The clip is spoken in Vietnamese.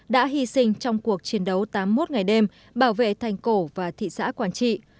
đã hy sinh trong cuộc chiến đấu tám mươi một ngày đêm bảo vệ thành cổ và thị xã quảng trị